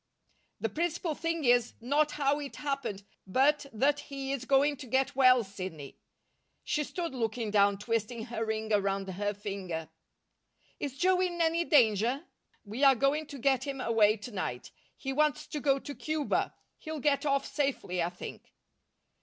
"The principal thing is, not how it happened, but that he is going to get well, Sidney." She stood looking down, twisting her ring around her finger. "Is Joe in any danger?" "We are going to get him away to night. He wants to go to Cuba. He'll get off safely, I think."